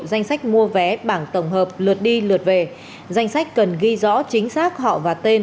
danh sách mua vé bảng tổng hợp lượt đi lượt về danh sách cần ghi rõ chính xác họ và tên